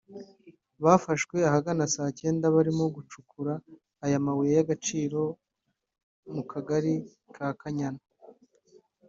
Bafashwe ahagana saa cyenda barimo gucukura aya mabuye y’agaciro mu kagari ka Kanyana